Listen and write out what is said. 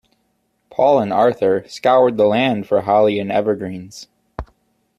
Paul and Arthur scoured the land for holly and evergreens.